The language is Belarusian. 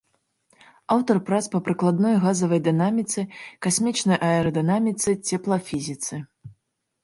Аўтар прац па прыкладной газавай дынаміцы, касмічнай аэрадынаміцы, цеплафізіцы.